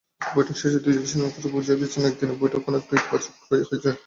বৈঠক শেষে দুই দেশের নেতারা বুঝিয়ে দিয়েছেন একদিনের বৈঠক অনেকটা ইতিবাচক হয়েছে।